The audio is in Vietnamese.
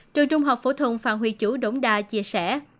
trường trung học phổ thùng phan huy chủ đỗng đa chia sẻ